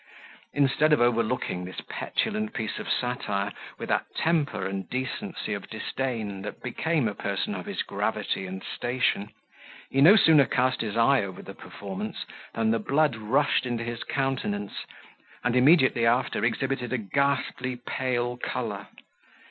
Instead of overlooking this petulant piece of satire with that temper and decency of disdain that became a person of his gravity and station, he no sooner cast his eye over the performance, than the blood rushed into his countenance, and immediately after exhibited a ghastly pale colour.